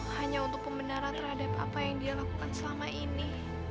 hanya untuk pembenaran terhadap apa yang dia lakukan selama ini